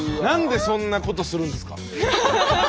何でそんなことするんですか。